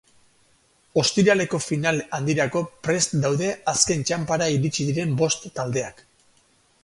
Ostiraleko final handirako prest daude azken txanpara iritsi diren bost taldeak.